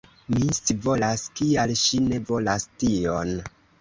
Mi scivolas kial ŝi ne volas tion!